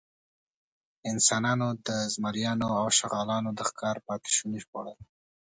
انسانانو د زمریانو او شغالانو د ښکار پاتېشوني خوړل.